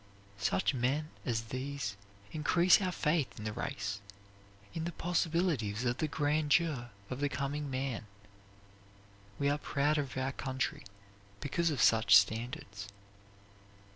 Such men as these increase our faith in the race; in the possibilities of the grandeur of the coming man. We are prouder of our country because of such standards.